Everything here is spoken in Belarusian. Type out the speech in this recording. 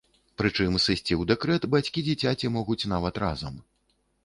Прычым сысці ў дэкрэт бацькі дзіцяці могуць нават разам.